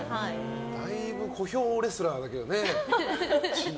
だいぶ、小兵レスラーだけどね。